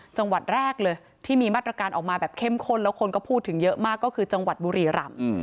จังหวัดแรกเลยที่มีมาตรการออกมาแบบเข้มข้นแล้วคนก็พูดถึงเยอะมากก็คือจังหวัดบุรีรำ